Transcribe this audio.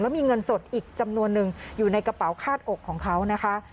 มีเงินสดอีกจำนวนนึงอยู่ในกระเป๋าคาดอกของเขานะคะ